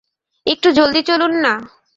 একটু জলদি চলুন না।